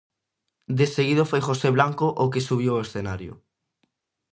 Deseguido foi José Blanco o que subiu ao escenario.